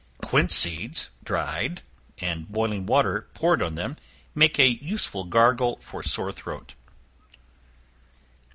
Quince seeds dried, and boiling water poured on them, make a useful gargle for sore throat.